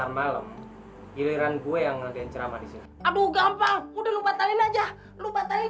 malam giliran gue yang nge dance ramadhan abu gampang udah lu batalin aja lu batalin